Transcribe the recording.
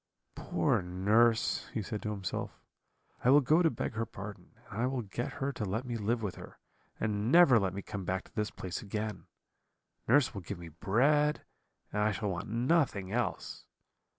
"'Poor nurse!' he said to himself, 'I will go to beg her pardon, and I will get her to let me live with her, and never let me come back to this place again. Nurse will give me bread, and I shall want nothing else.